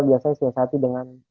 biasa bersatu dengan